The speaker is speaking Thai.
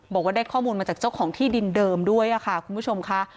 บอกว่าได้ข้อมูลมาจากเจ้าของที่ดินเดิมด้วยค่ะคุณผู้ชมค่ะ